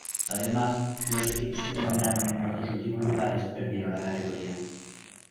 Además, los equipos que terminaron en los dos últimos lugares perdieron la categoría.